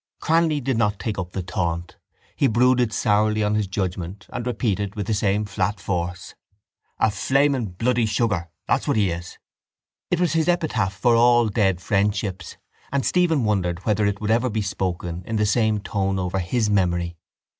_ Cranly did not take up the taunt. He brooded sourly on his judgement and repeated with the same flat force: —A flaming bloody sugar, that's what he is! It was his epitaph for all dead friendships and Stephen wondered whether it would ever be spoken in the same tone over his memory.